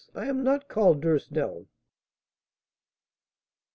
I am not called Duresnel."